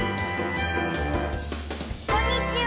こんにちは！